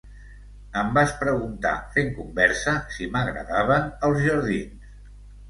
Em vas preguntar, fent conversa, si m'agradaven els jardins